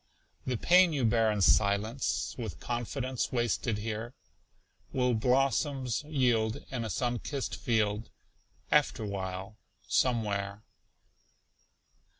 The pain you bear in silence, For confidence wasted here Will blossoms yield in a sun kissed field, Afterwhile, somewhere.